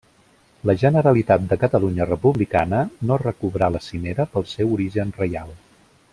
La Generalitat de Catalunya republicana no recobrà la cimera pel seu origen reial.